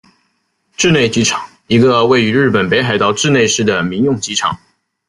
稚内机场一个位于日本北海道稚内市的民用机场。